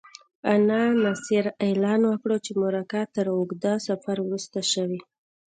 انانسر اعلان وکړ چې مرکه تر اوږده سفر وروسته شوې.